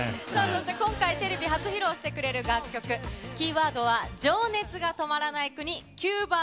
今回、テレビ初披露してくれる楽曲、キーワードは情熱が止まらない国、ハバナ。